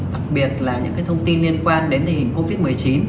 đặc biệt là những thông tin liên quan đến tình hình covid một mươi chín